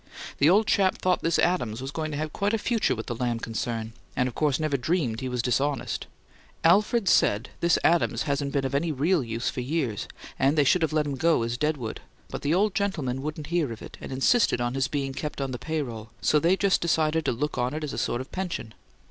The old chap thought this Adams was going to have quite a future with the Lamb concern, and of course never dreamed he was dishonest. Alfred says this Adams hasn't been of any real use for years, and they should have let him go as dead wood, but the old gentleman wouldn't hear of it, and insisted on his being kept on the payroll; so they just decided to look on it as a sort of pension.